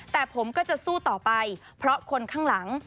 แต่ผมก็จะสู้ต่อไปเพราะคนข้างหลัง